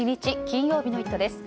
金曜日の「イット！」です。